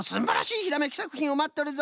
ひらめきさくひんをまっとるぞ。